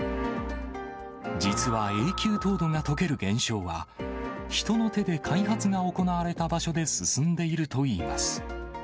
実は永久凍土がとける現象は、人の手で開発が行われた場所で進んでいるといいます。